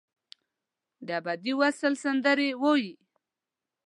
دابدي وصل سندرې وایې